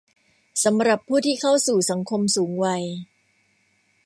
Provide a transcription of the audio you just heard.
สำหรับผู้ที่เข้าสู่สังคมสูงวัย